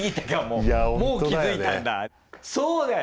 もう気付いたんだ。